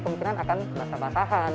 kemungkinan akan basah basahan